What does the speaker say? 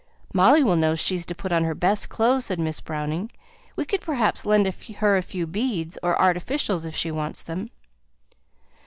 "Molly will know she's to put on her best clothes," said Miss Browning. "We could perhaps lend her a few beads, or artificials, if she wants them."